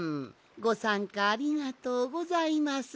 ごさんかありがとうございます。